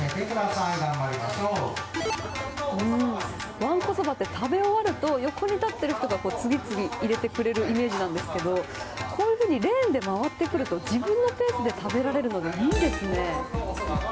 わんこそばって食べ終わると横に立っている人が次々と入れてくれるイメージですけどこういうふうにレーンで回ってくると、自分のペースで食べられていいですね。